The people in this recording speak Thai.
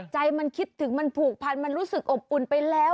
ใจมันคิดถึงมันผูกพันมันรู้สึกอบอุ่นไปแล้ว